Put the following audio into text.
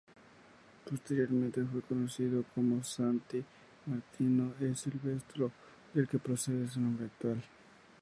Posteriormente fue conocido como Santi Martino e Silvestro, del que procede su nombre actual.